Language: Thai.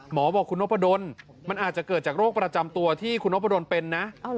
บอกคุณนพดลมันอาจจะเกิดจากโรคประจำตัวที่คุณนพดลเป็นนะ